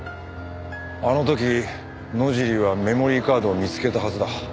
あの時野尻はメモリーカードを見つけたはずだ。